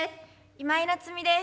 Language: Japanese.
今井菜津美です。